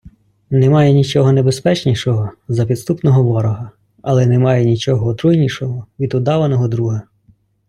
Немає нічого небезпечнішого за підступного ворога, але немає нічого отруйнішого від удаваного друга.